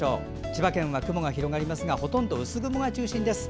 千葉県は雲が広がりますがほとんど薄曇が中心です。